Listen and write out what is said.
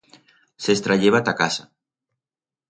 Se's trayeban ta casa.